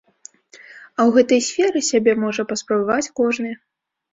А ў гэтай сферы сябе можа паспрабаваць кожны.